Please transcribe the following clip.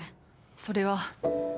それは。